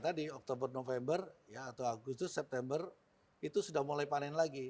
tadi oktober november atau agustus september itu sudah mulai panen lagi